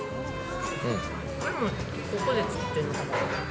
これもここで作ってるのかな？